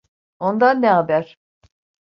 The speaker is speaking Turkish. Ondan ne haber?